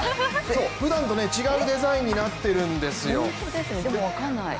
そう、ふだんと違うデザインになっているんですよ。